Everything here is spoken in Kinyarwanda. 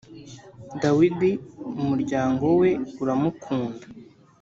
Dawidi umuryango we uramukunda.